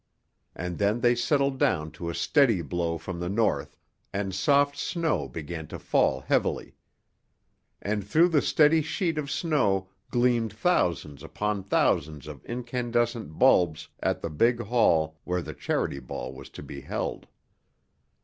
And then they settled down to a steady blow from the north, and soft snow began to fall heavily. And through the steady sheet of snow gleamed thousands upon thousands of incandescent bulbs at the big hall where the Charity Ball was to be held.